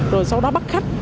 rồi sau đó bắt khách